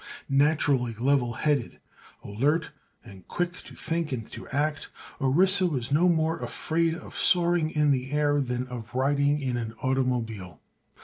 Naturally level headed, alert and quick to think and to act, Orissa was no more afraid of soaring in the air than of riding in an automobile.